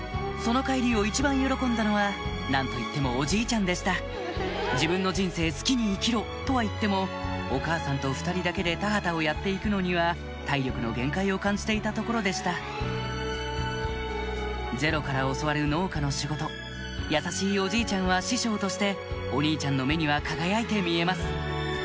その帰りを一番喜んだのは何と言ってもおじいちゃんでした「自分の人生好きに生きろ！」とは言ってもお母さんと２人だけで田畑をやって行くのには体力の限界を感じていたところでしたゼロから教わる農家の仕事優しいおじいちゃんは師匠としてお兄ちゃんの目には輝いて見えます